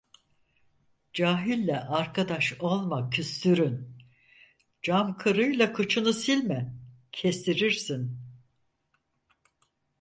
Cahille arkadaş olma küstürün, cam kırığıyla kıçını silme kestirirsin.